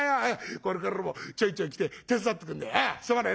これからもちょいちょい来て手伝ってくんねえ。